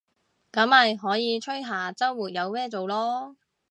噉咪可以吹下週末有咩做囉